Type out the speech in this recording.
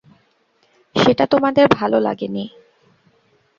সেটা তোমাদের ভালো লাগে নি।